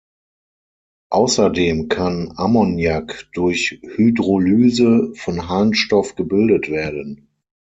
Außerdem kann Ammoniak durch Hydrolyse von Harnstoff gebildet werden.